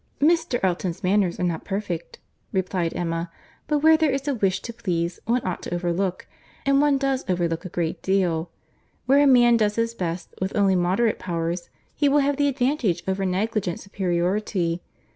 "Mr. Elton's manners are not perfect," replied Emma; "but where there is a wish to please, one ought to overlook, and one does overlook a great deal. Where a man does his best with only moderate powers, he will have the advantage over negligent superiority.